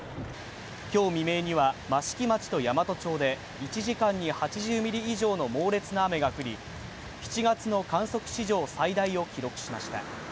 今日未明には益城町と山都町で１時間に８０ミリ以上の猛烈な雨が降り、７月の観測史上最大を記録しました。